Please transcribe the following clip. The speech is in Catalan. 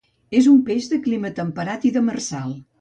És un peix de clima temperat i demersal.